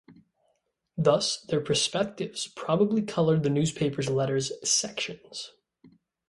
Thus, their perspectives probably colored the newspapers' letters sections.